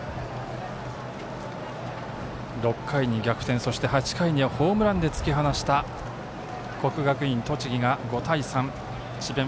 ６回に逆転、８回にはホームランで突き放した国学院栃木が５対３智弁